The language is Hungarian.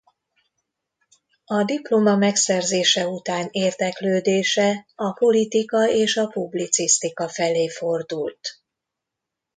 A diploma megszerzése után érdeklődése a politika és a publicisztika felé fordult.